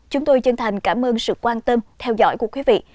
chúng tôi chân thành cảm ơn sự quan tâm theo dõi của quý vị